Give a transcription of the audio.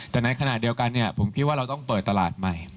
แต่ในขณะเดียวกันผมคิดว่าเราต้องเปิดตลาดใหม่